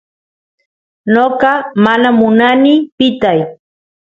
noqa mana munani pitay